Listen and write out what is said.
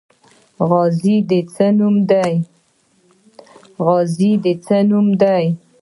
غازی د څه نوم دی؟